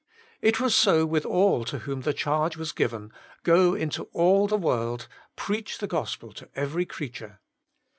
It was so with all to whom the charge was given :' Go into all the world, preach the Gospel to every creature.'